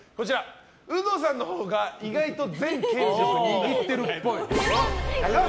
ウドさんのほうが意外と全権力握ってるっぽい。